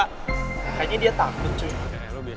kayaknya dia takut cuy